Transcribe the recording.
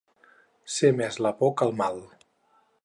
Ser més la por que el mal.